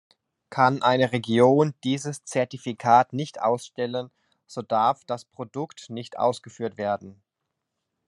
Kann eine Region dieses Zertifikat nicht ausstellen, so darf das Produkt nicht ausgeführt werden.